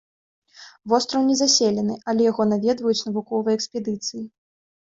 Востраў незаселены, але яго наведваюць навуковыя экспедыцыі.